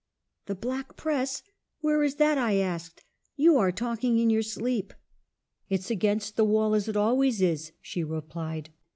"' The black press ? Where is that ?' I asked. ' You are talking in your sleep.' "' It's against the wall as it always is,' she re plied.